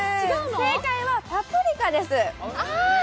正解はパプリカです。